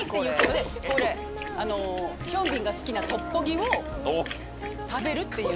ヒョンビンが好きなトッポギを食べるっていう。